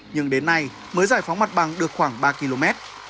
nhưng đến nay mới giải phóng mặt bằng được khoảng ba km